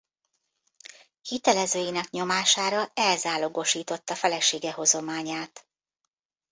Hitelezőinek nyomására elzálogosította felesége hozományát.